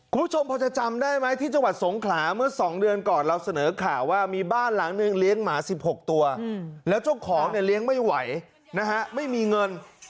คุณผู้ชมพอจะจำได้ไหมที่จังหวัดสงขลาเมื่อ๒เดือนก่อนเราเสนอข่าวว่ามีบ้านหลังนึงเลี้ยงหมา๑๖ตัวแล้วเจ้าของเนี่ยเลี้ยงไม่ไหวนะฮะไม่มีเงิน